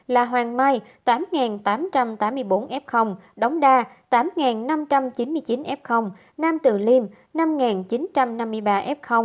là hoàng mai tám tám trăm tám mươi bốn f đống đa tám năm trăm chín mươi chín f nam từ liêm năm chín trăm năm mươi ba f